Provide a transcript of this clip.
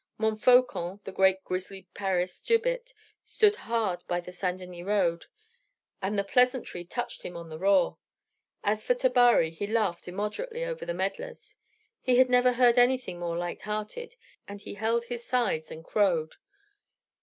Montfaucon, the great grisly Paris gibbet, stood hard by the St. Denis Road, and the pleasantry touched him on the raw. As for Tabary, he laughed immoderately over the medlars; he had never heard anything more light hearted; and he held his sides and crowed.